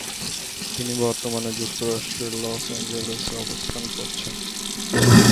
তিনি বর্তমানে যুক্তরাষ্ট্রের লস অ্যাঞ্জেলেসে অবস্থান করছেন।